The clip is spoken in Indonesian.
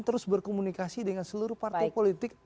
terus berkomunikasi dengan seluruh partai politik